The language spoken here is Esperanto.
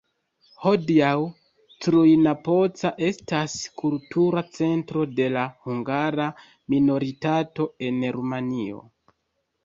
Hodiaŭ Cluj-Napoca estas kultura centro de la hungara minoritato en Rumanio.